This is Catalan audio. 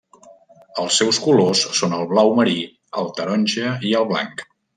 Els seus colors són el blau marí, el taronja i el blanc.